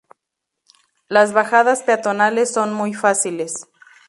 Las bajadas peatonales son muy fáciles.